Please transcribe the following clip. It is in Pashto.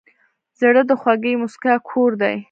زړه د خوږې موسکا کور دی.